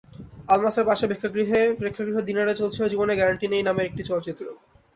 আলমাসের পাশের প্রেক্ষাগৃহ দিনারে চলছিল জীবনের গ্যারান্টি নাই নামের একটি চলচ্চিত্র।